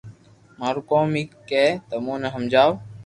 مارو ڪوم ھي ڪي تمو ني ھمجاو